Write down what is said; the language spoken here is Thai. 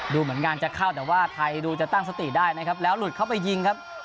ดูเหมือนงานจะเข้าแต่ว่าไทยดูจะตั้งสติได้นะครับแล้วหลุดเข้าไปยิงครับ